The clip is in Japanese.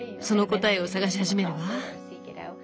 その答えを探し始めるわ。